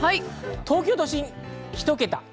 東京都心、ひと桁。